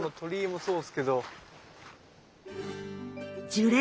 樹齢